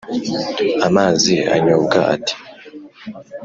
amazi anyobwa ate